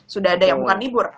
sudah ada yang bukan libur